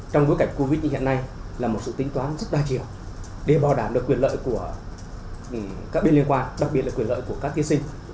trong bối cảnh covid như hiện nay là một sự tính toán rất đa chiều để bảo đảm được quyền lợi của các bên liên quan đặc biệt là quyền lợi của các thí sinh